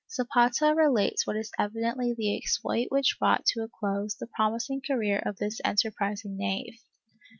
^ Zapata relates what is evidently the exploit which brought to a close the promising career of this enterprising knave.